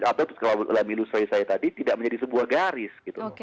atau kalau dalam ilustrasi saya tadi tidak menjadi sebuah garis